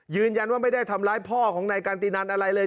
ยืนยันว่าไม่ได้ทำร้ายพ่อของนายการตินันอะไรเลย